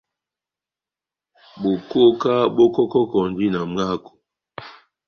Bokoka bó kɔkɔkɔndi na mwáko.